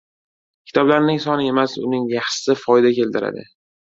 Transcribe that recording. Kitoblarning soni emas, uning yaxshisi foyda keltiradi.